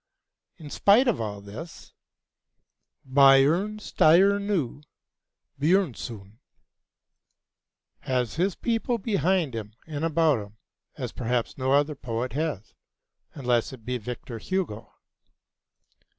In spite of all this, Björnstjerne Björnson has his people behind him and about him as perhaps no other poet has, unless it be Victor Hugo.